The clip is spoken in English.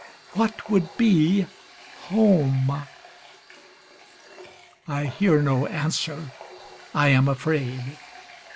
What would be home? I hear no answer. I am afraid!